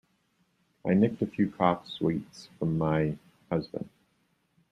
I nicked a few cough sweets from my husband.